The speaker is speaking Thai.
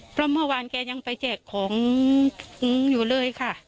เพราะเมื่อวานแกยังไปแจกของอยู่เลยค่ะ